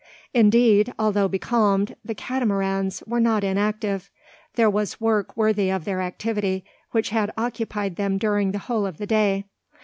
Indeed, although becalmed, the "Catamarans" were not inactive. There was work worthy of their activity, and which occupied them during the whole of the day.